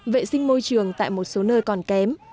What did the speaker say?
vệ sinh môi trường tại một số nơi còn kém